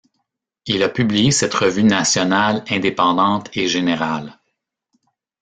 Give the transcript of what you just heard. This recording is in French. Il a publié cette revue nationale, indépendante et générale.